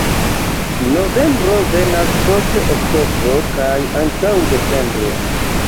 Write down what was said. Novembro venas post oktobro kaj antaŭ decembro.